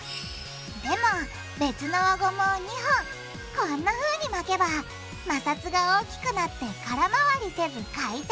でも別の輪ゴムを２本こんなふうに巻けば摩擦が大きくなって空回りせず回転！